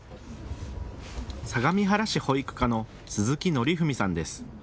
相模原市保育課の鈴木則文さんです。